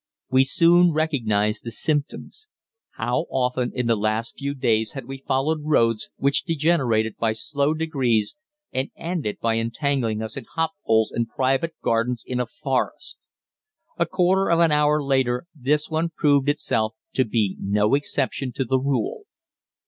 We soon recognized the symptoms. How often in the last few days had we followed roads which degenerated by slow degrees and ended by entangling us in hop poles and private gardens in a forest! A quarter of an hour later this one proved itself to be no exception to the rule.